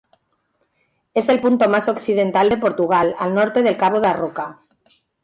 Es el punto más occidental de Portugal al norte del cabo da Roca.